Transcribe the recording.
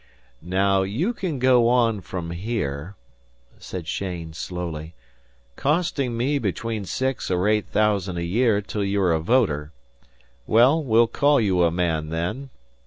"Now you can go on from here," said Cheyne, slowly, "costing me between six or eight thousand a year till you're a voter. Well, we'll call you a man then.